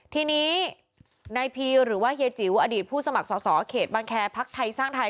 ทีนี้นายพีหรือเฮียจิ๋วอดิษฐ์ผู้สมัครสศเขตบังแครพรรคไทยสร้างไทย